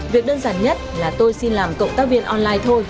việc đơn giản nhất là tôi xin làm cộng tác viên online thôi